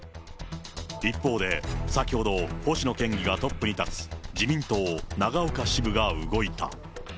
一方で先ほど、星野県議がトップに立つ、自民党長岡支部が動いた。